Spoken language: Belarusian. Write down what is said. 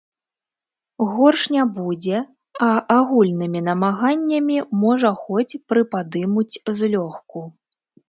Горш не будзе, а агульнымі намаганнямі, можа, хоць прыпадымуць злёгку.